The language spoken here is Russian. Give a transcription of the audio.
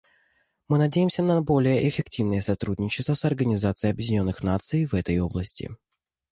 Мы надеемся на более эффективное сотрудничество с Организацией Объединенных Наций в этой области.